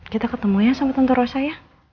kita ketemu ya sama tante rosak ya